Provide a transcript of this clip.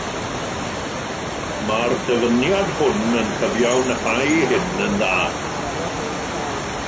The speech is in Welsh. Mae'r dyfyniad hwn yn cyfiawnhau hyn yn dda.